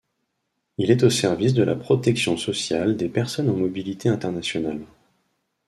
Il est au service de la protection sociale des personnes en mobilité internationale.